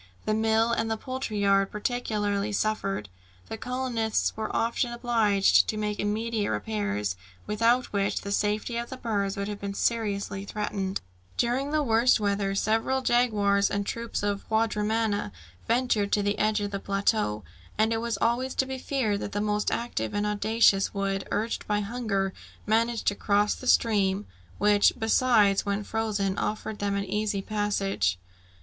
The mill and the poultry yard particularly suffered. The colonists were often obliged to make immediate repairs, without which the safety of the birds would have been seriously threatened. [Illustration: THE PHOTOGRAPHIC NEGATIVE] During the worst weather, several jaguars and troops of quadrumana ventured to the edge of the plateau, and it was always to be feared that the most active and audacious would, urged by hunger, manage to cross the stream, which besides, when frozen, offered them an easy passage.